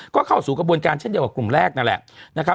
ก็เข้าสู่กระบวนการเช่นเดียวกับกลุ่มแรกนั่นแหละนะครับ